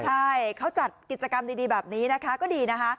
ใช่เขาจัดกิจกรรมดีแบบนี้นะคะก็ดีนะคะ